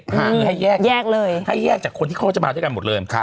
ให้แยกให้แยกจากคนที่เขาก็จะมาด้วยกันหมดเลย